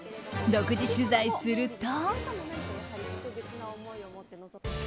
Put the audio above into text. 独自取材すると。